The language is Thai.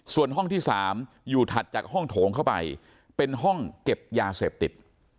ส่วนห้องที่๓อยู่ถัดจากห้องโถงเข้าไปเป็นห้องเก็บยาเสพติด